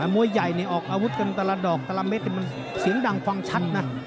มวยใหญ่นี่ออกอาวุธกันแต่ละดอกแต่ละเม็ดมันเสียงดังฟังชัดนะ